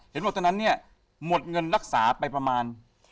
เห็นบอกตอนนั้นเนี่ยหมดเงินรักษาไปประมาณ